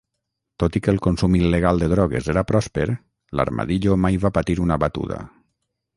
Tot i que el consum il·legal de drogues era pròsper, l'Armadillo mai va patir una batuda.